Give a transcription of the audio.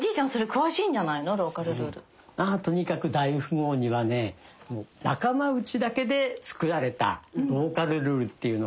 まあとにかく大富豪にはね仲間内だけで作られたローカル・ルールっていうのがね